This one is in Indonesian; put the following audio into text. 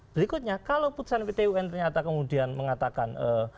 berikutnya kalau putusan pt un ternyata kemudian mengatakan